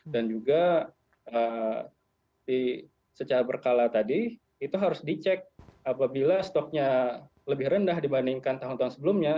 dan juga secara berkala tadi itu harus dicek apabila stoknya lebih rendah dibandingkan tahun tahun sebelumnya